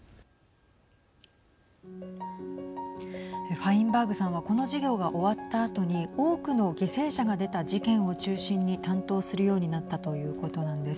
ファインバーグさんはこの事業が終わったあとに多くの犠牲者が出た事件を中心に担当するようになったということなんです。